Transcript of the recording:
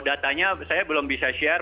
datanya saya belum bisa share